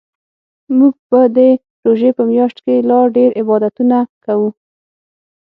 موږ به د روژې په میاشت کې لا ډیرعبادتونه کوو